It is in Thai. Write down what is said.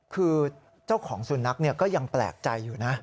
คือเจ้าของสุนัขก็ยังแปลกใจอยู่นะ